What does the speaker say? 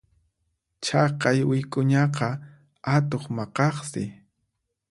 Chaqay wik'uñaqa atuq maqaqsi.